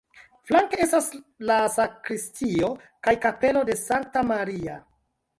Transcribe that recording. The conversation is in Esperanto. Flanke estas la sakristio kaj kapelo de Sankta Maria.